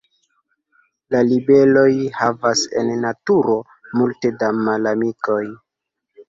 La libeloj havas en naturo multe da malamikoj.